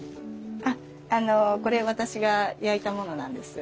あっあのこれ私が焼いたものなんです。